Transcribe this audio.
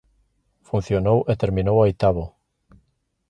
Funcionou e terminou oitavo.